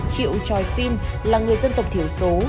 triệu troy finn là người dân tộc thiểu số